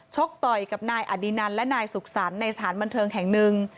กต่อยกับนายอดินันและนายสุขสรรค์ในสถานบันเทิงแห่งหนึ่ง